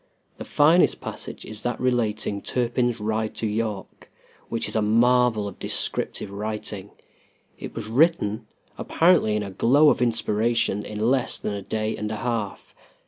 The finest passage is that relating Turpin's ride to York, which is a marvel of descriptive writing. It was written, apparently in a glow of inspiration, in less than a day and a half.